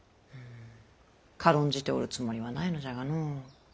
軽んじておるつもりはないのじゃがの。